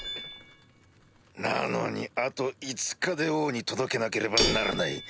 なのにあと５日で王に届けなければならない。